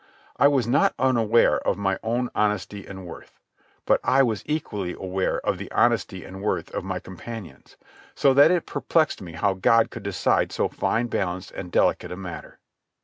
I was not unaware of my own honesty and worth; but I was equally aware of the honesty and worth of my companions, so that it perplexed me how God could decide so fine balanced and delicate a matter.